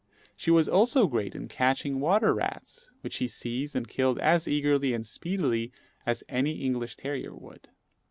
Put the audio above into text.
She was also great in catching water rats, which she seized and killed as eagerly and speedily as any English terrier would.